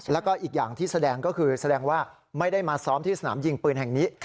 แล้วก็อีกอย่างที่แสดงก็คือแสดงว่าไม่ได้มาซ้อมที่สนามยิงปืนแห่งนี้